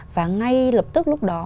và ngay lập tức lúc đó